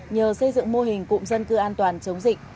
nhờ xây dựng mô hình cụm dân cư an toàn chống dịch